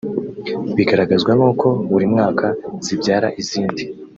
Bigaragazwa nuko buri mwaka zibyara izindi